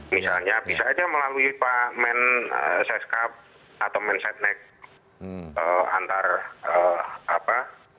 misalnya bisa aja melalui pak men syscap atau men sysnec antar apa